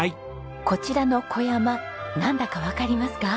こちらの小山なんだかわかりますか？